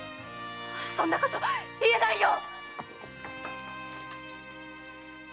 そんなこと言えないよ